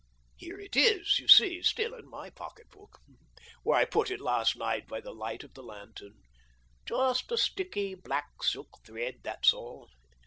Here it is, you see, still in my pocket book, where I put it last night by the light of the lantern ; just a sticky black silk thread, that's all.